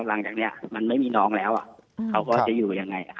หลังจากนี้มันไม่มีน้องแล้วเขาก็จะอยู่ยังไง